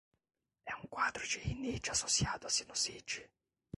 É um quadro de rinite associado a sinusite